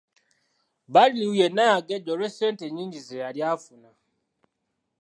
Badru yenna yagejja olw'essente ennyingi ze yali afuna.